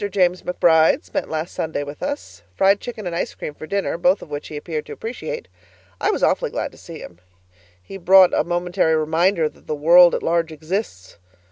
James McBride spent last Sunday with us. Fried chicken and ice cream for dinner, both of which he appeared to appreciate. I was awfully glad to see him; he brought a momentary reminder that the world at large exists.